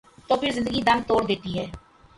تو پھر زندگی دم توڑ دیتی ہے۔